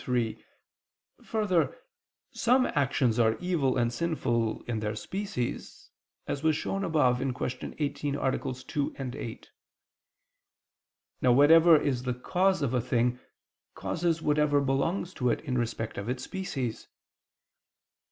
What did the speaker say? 3: Further, some actions are evil and sinful in their species, as was shown above (Q. 18, AA. 2, 8). Now whatever is the cause of a thing, causes whatever belongs to it in respect of its species.